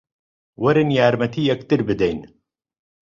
وەرن یارمەتی یەکتر بدەین